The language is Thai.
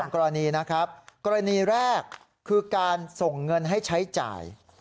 กรณีแรกคือการส่งเงินให้ใช้จ่าย